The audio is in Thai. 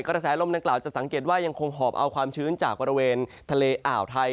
กระแสลมดังกล่าวจะสังเกตว่ายังคงหอบเอาความชื้นจากบริเวณทะเลอ่าวไทย